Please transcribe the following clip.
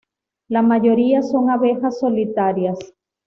La mayoría son abejas solitarias.